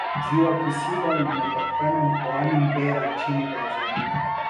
ziwa kisiba linapatikana mkoani mbeya nchini tanzania